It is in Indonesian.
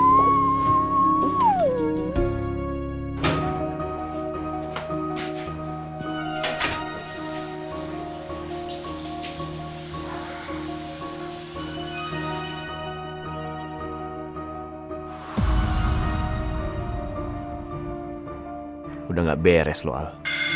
masa udah gak beres lo al